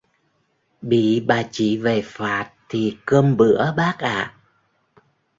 bị bà chị về phạt thì cơm bữa bác ạ